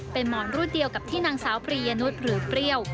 เป็นหมอนรูดเดียวกับที่นางสาวปรียนุษย์หรือเปรี้ยว